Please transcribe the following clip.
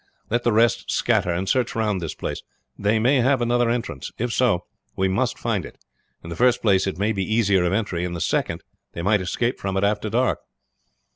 Let the rest scatter and search round this place. They may have another entrance. If so, we must find it. In the first place, it may be easier of entry; in the second they might escape from it after dark."